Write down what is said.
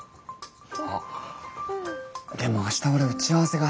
あっでも明日俺打ち合わせが。